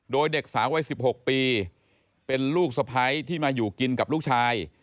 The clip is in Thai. โดยเด็กสาววัย๑๖ปีเป็นลูกสะพ้ายที่มาอยู่กินกับลูกชาย